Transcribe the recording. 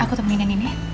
aku temenin kamu